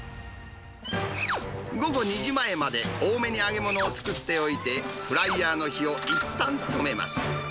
午後２時前まで、多めに揚げ物を作っておいて、フライヤーの火をいったん止めます。